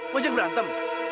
mau jaga berantem